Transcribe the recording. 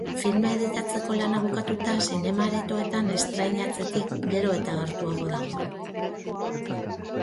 Filma editatzeko lana bukatuta, zinema-aretoetan estreinatzetik gero eta gertuago dago.